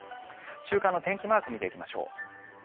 週間の天気マーク見ていきましょう。